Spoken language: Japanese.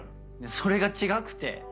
それが違くて！